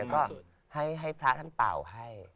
แล้วก็ให้พระท่านเป่าให้